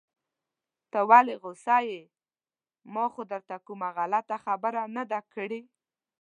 ته ولې غوسه يې؟ ما خو درته کومه غلطه خبره نده کړي.